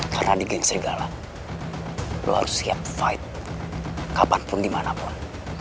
karena di geng serigala lu harus siap fight kapanpun dimanapun